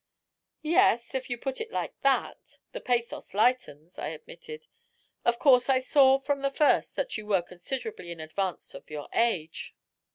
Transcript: "Yes, if you put it like that, the pathos lightens," I admitted. "Of course I saw from the first that you were considerably in advance of your age.